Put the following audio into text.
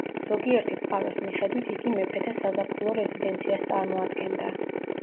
ზოგიერთი წყაროს მიხედვით იგი მეფეთა საზაფხულო რეზიდენციას წარმოადგენდა.